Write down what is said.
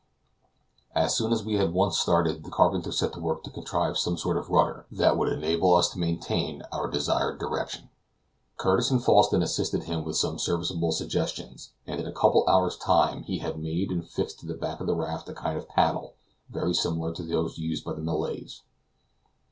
As soon as we had once started, the carpenter set to work to contrive some sort of a rudder, that would enable us to maintain our desired direction. Curtis and Falsten assisted him with some serviceable suggestions, and in a couple of hours' time he had made and fixed to the back of the raft a kind of paddle, very similar to those used by the Malays.